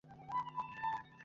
এবার আঙ্গুলগুলো মেলে ধরো!